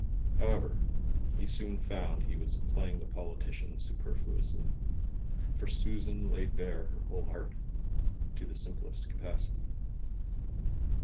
However, he soon found he was playing the politician superfluously, for Susan laid bare her whole heart to the simplest capacity.